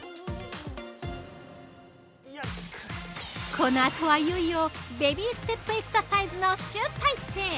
このあとはいよいよベビーステップエクササイズの集大成。